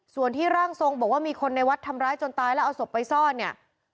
ส่วนที่ร่างทรงบอกว่ามีคนในวัดทำร้ายจนตายแล้วเอาศพไปซ่อนเนี่ย